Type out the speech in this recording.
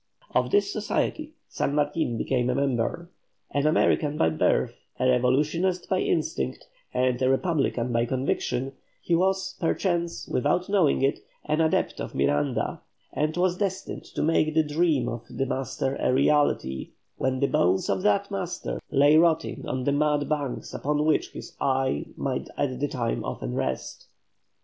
Of this society San Martin became a member. An American by birth, a revolutionist by instinct, and a republican by conviction, he was, perchance, without knowing it, an adept of Miranda, and was destined to make the dream of the master a reality, when the bones of that master lay rotting on the mud banks upon which his eye might at this time often rest.